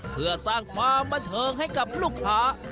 เพื่อสร้างความบันเทิงให้กับลูกค้า